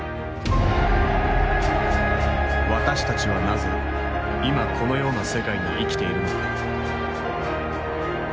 私たちはなぜ今このような世界に生きているのか。